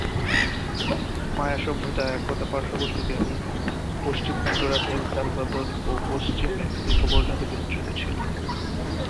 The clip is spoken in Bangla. মায়া সভ্যতা একদা পার্শ্ববর্তী বেলিজ, পশ্চিম হন্ডুরাস, এল সালভাদর, ও দক্ষিণ মেক্সিকো পর্যন্ত বিস্তৃত ছিল।